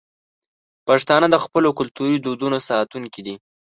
پښتانه د خپلو کلتوري دودونو ساتونکي دي.